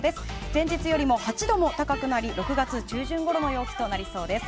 前日よりも８度も高くなり６月中旬ごろの陽気となりそうです。